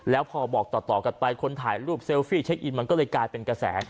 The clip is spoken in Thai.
แล้วพอบอกต่อกันไปคนถ่ายรูปเซลฟี่เช็คอินมันก็เลยกลายเป็นกระแส